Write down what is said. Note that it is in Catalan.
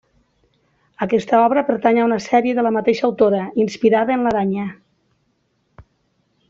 Aquesta obra pertany a una sèrie de la mateixa autora, inspirada en l’aranya.